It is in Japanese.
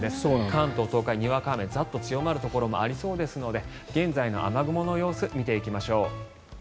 関東、東海、にわか雨ザッと強まるところもありそうですので現在の雨雲の様子を見ていきましょう。